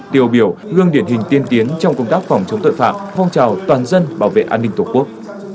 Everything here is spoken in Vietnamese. tiêu biểu gương điển hình tiên tiến trong công tác phòng chống tội phạm phong trào toàn dân bảo vệ an ninh tổ quốc